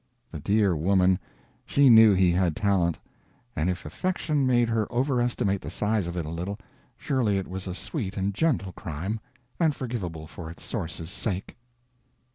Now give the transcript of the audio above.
The dear woman, she knew he had talent; and if affection made her over estimate the size of it a little, surely it was a sweet and gentle crime, and forgivable for its source's sake.